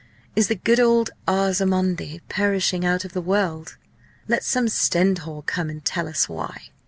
Is the good old ars amandi perishing out of the world? Let some Stendhal come and tell us why!"